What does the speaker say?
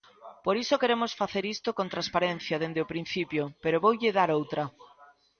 Por iso queremos facer isto con transparencia dende o principio, pero voulle dar outra.